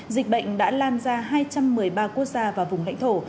dịch bệnh đã lan ra hai trăm một mươi ba quốc gia và vùng lãnh thổ